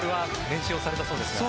練習をされたそうですが。